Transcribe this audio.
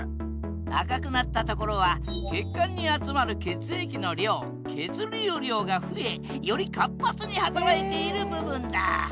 赤くなったところは血管に集まる血液の量血流量が増えより活発に働いている部分だ。